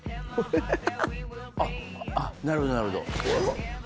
あっなるほどなるほど。